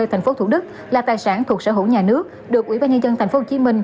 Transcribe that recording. thành phố thủ đức là tài sản thuộc sở hữu nhà nước được ủy ban nhân dân tp hcm